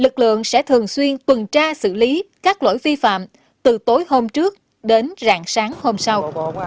ca xử lý các lỗi vi phạm từ tối hôm trước đến rạng sáng hôm sau